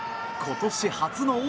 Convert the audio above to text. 今年初の。